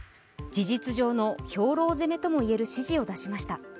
事実上の兵糧攻めともいえる指示を出しました。